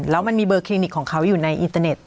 แล้วมันมีเบอร์คลินิกของเขาอยู่ในอินเตอร์เน็ต